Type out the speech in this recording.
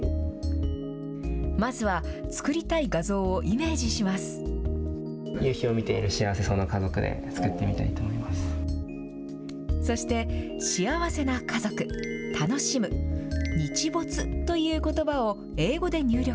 まずは作りたい画像をイメージしそして、幸せな家族、楽しむ、日没ということばを英語で入力。